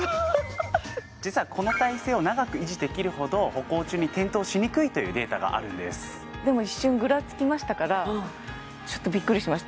実はこの体勢を長く維持できるほど歩行中に転倒しにくいというデータがあるんですでも一瞬グラつきましたからちょっとビックリしました